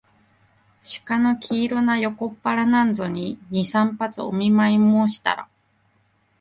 鹿の黄色な横っ腹なんぞに、二三発お見舞もうしたら、